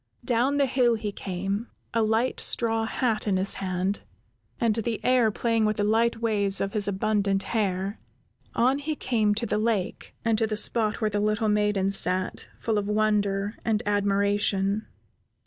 Down the hill he came, a light straw hat in his hand, and the air playing with the light waves of his abundant hair. On he came to the lake, and to the spot where the little maiden sat, full of wonder and admiration.